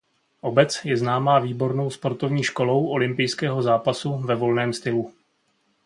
Obec je známá výbornou sportovní školou olympijského zápasu ve volném stylu.